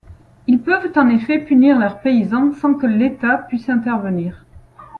Ils peuvent en effet punir leurs paysans sans que l'État puisse intervenir.